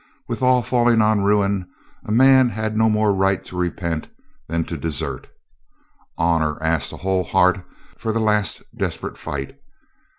With all falling on ruin, a man had no more right to repent than to desert. Honor asked a whole heart for the last desperate fight.